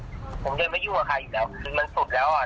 ผมยังไม่ยู่กับใครแล้วคลื่นมันสุดแล็วอะ